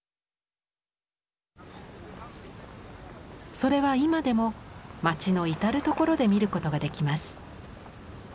それは今でも街の至る所で見ることができます。